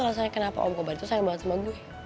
rasanya kenapa om kobar itu sayang banget sama gue